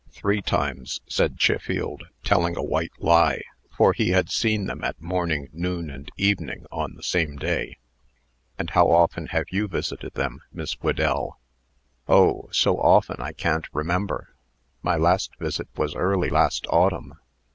"Three times," said Chiffield, telling a white lie; for he had seen them at morning, noon, and evening on the same day. "And how often have you visited them, Miss Whedell?" "Oh! so often I can't remember. My last visit was early last autumn.